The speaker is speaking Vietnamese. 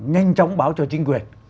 nhanh chóng báo cho chính quyền